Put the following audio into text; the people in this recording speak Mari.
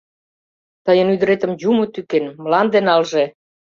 — Тыйын ӱдыретым юмо тӱкен, мланде налже!